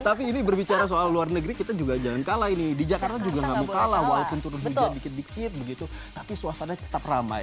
tapi ini berbicara soal luar negeri kita juga jangan kalah ini di jakarta juga nggak mau kalah walaupun turun hujan dikit dikit begitu tapi suasana tetap ramai